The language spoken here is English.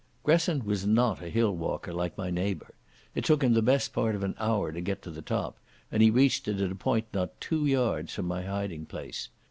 Gresson was not a hill walker like my neighbour. It took him the best part of an hour to get to the top, and he reached it at a point not two yards from my hiding place.